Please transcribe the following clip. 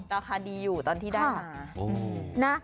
ราคาดีอยู่ตอนที่ได้มานะ